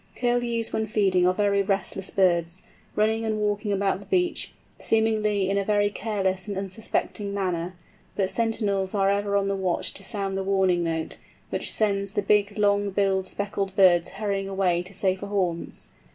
Curlews when feeding are very restless birds, running and walking about the beach, seemingly in a very careless and unsuspecting manner, but sentinels are ever on the watch to sound the warning note, which sends the big long billed speckled birds hurrying away to safer haunts.